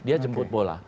dia jemput bola